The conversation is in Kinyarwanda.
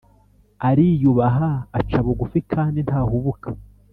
ariyubaha acabugufi kandi ntahubuka,